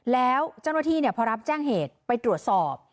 แล้วเจ้าหน้าที่พอรับแจ้งเหตุไปตรวจสอบ